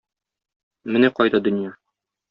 Менә кайда дөнья!